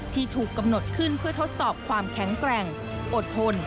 ถูกกำหนดขึ้นเพื่อทดสอบความแข็งแกร่งอดทน